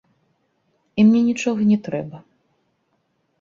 І мне нічога не трэба.